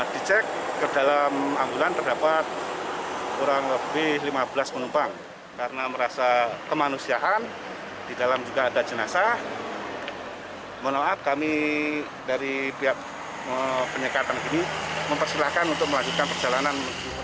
dari pihak penyekatan ini mempersilahkan untuk melanjutkan perjalanan